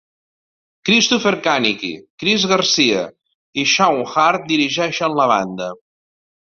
Christopher Kanicki, Cris Garcia, i Shawn Hart dirigeixen la banda.